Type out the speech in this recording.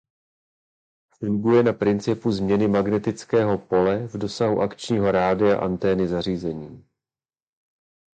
Funguje na principu změny magnetického pole v dosahu akčního rádia „antény“ zařízení.